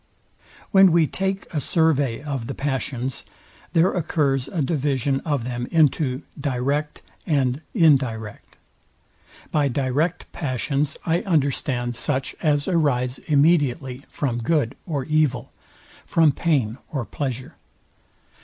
When we take a survey of the passions, there occurs a division of them into DIRECT and INDIRECT. By direct passions I understand such as arise immediately from good or evil, from pain or pleasure.